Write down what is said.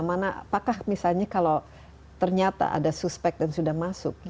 apakah misalnya kalau ternyata ada suspek dan sudah masuk